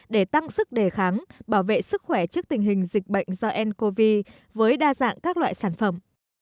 để tăng sức đề kháng bảo vệ sức khỏe trước tình hình dịch bệnh do ncov với đa dạng các loại sản phẩm